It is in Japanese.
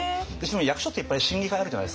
役所っていっぱい審議会あるじゃないですか。